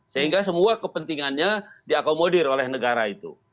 sehingga semua kepentingannya diakomodir oleh negara itu